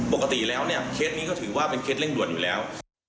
ปกติแล้วเนี่ยเคสนี้ก็ถือว่าเป็นเคสเร่งด่วนอยู่แล้ว